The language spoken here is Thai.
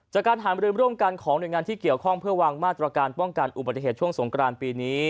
จากการถามบริเวณร่วมกันของหน่วยงานที่เกี่ยวข้องเพื่อวางมาตรการป้องกันอุบัติเหตุช่วงสงกรานปีนี้